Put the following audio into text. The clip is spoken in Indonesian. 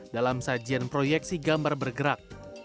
dalam sajian proyeksi gambar bergerak